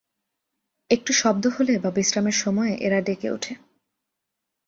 একটু শব্দ হলে বা বিশ্রামের সময়ে এরা ডেকে ওঠে।